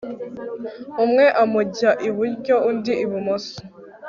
umwe amujya iburyo undi ibumoso